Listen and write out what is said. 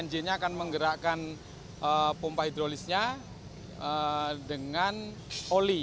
engine nya akan menggerakkan pompa hidrolisnya dengan oli